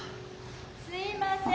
・すいません。